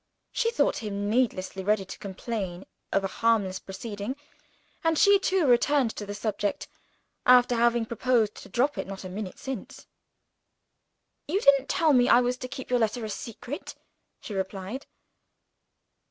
She thought him needlessly ready to complain of a harmless proceeding and she too returned to the subject, after having proposed to drop it not a minute since! "You didn't tell me I was to keep your letter a secret," she replied.